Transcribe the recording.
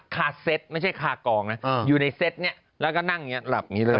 คาเซตไม่ใช่คากองนะอยู่ในเซตเนี่ยแล้วก็นั่งอย่างนี้หลับอย่างนี้เลย